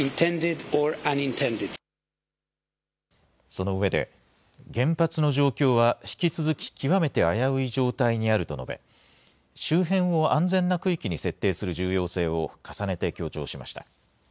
そのうえで原発の状況は引き続き極めて危うい状態にあると述べ、周辺を安全な区域に設定する重要性を重ねて強調しました。